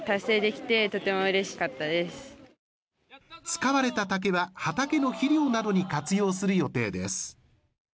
使われた竹は、畑の肥料などに活用する予定です。